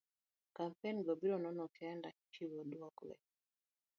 Kampen go biro nono kendo chiwo dwoko e